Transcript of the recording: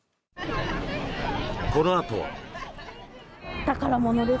このあとは。